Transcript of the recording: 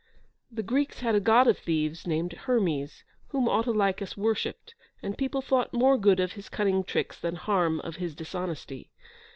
The Greeks had a God of Thieves, named Hermes, whom Autolycus worshipped, and people thought more good of his cunning tricks than harm of his dishonesty.